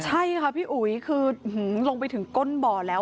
ใช่ค่ะพี่อุ๋ยคือลงไปถึงก้นบ่อแล้ว